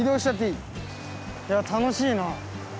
いや楽しいな。